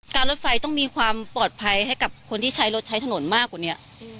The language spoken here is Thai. รถไฟต้องมีความปลอดภัยให้กับคนที่ใช้รถใช้ถนนมากกว่านี้